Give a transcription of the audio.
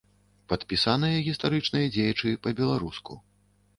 Падпісаныя гістарычныя дзеячы па-беларуску.